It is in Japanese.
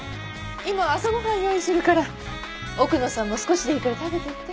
今朝ご飯用意するから奥野さんも少しでいいから食べていって。